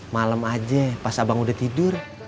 malam aja pas abang udah tidur